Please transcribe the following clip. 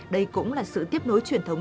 đây cũng là sự tiếp nối truyền thống